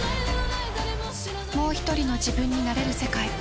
もう１人の自分になれる世界。